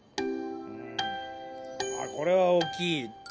あこれは大きい。